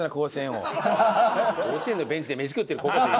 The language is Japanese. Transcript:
甲子園のベンチで飯食ってる高校生。